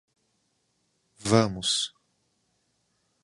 Vamos